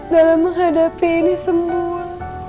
dalam menghadapi ini semua